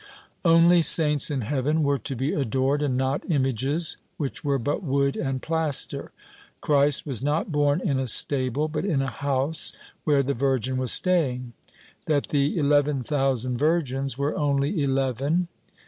— Only saints in heaven were to be adored and not images, which were but wood and plaster. — Christ was not born in a stable, but in a house where the Virgin was staying. — That the eleven thousand virgins were only eleven.